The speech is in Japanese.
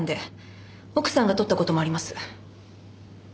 奥さんが取った事もあります。